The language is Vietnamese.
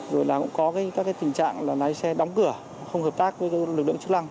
rồi có tình trạng lái xe đóng cửa không hợp tác với lực lượng chức lăng